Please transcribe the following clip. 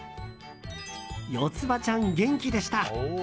ヨツバちゃん、元気でした。